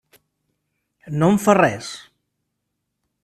No em fa res.